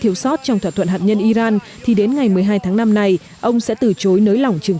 thiếu sót trong thỏa thuận hạt nhân iran thì đến ngày một mươi hai tháng năm này ông sẽ từ chối nới lỏng trừng